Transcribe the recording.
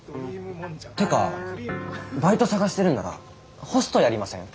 てかバイト探してるんならホストやりません？